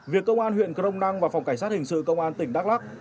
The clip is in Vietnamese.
việc công an huyện crong năng và phòng cảnh sát hình sự công an tỉnh đắk lắc